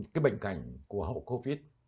cái bệnh cảnh của hậu covid